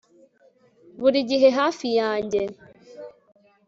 buri gihe hafi yanjye